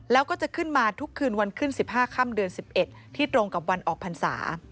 แล้วก็จะขึ้นมาทุกคืนวันขึ้น๑๕ค่ำเดือน๑๑ที่ตรงกับวันออกพรรษา